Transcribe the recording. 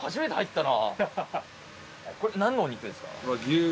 これ何のお肉ですか？